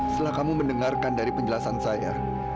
setelah kamu mendengarkan dari penjelasan saya